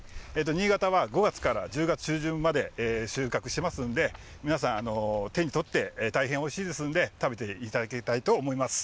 新潟は５月から１０月中旬まで収穫しますんで、皆さん、手に取って、大変おいしいですんで、食べていただきたいと思います。